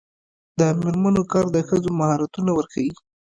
د میرمنو کار د ښځو مهارتونه ورښيي.